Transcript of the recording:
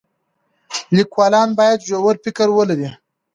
لیکوالان باید ژور فکر ولري.